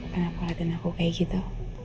kenapa lagan aku kayak gitu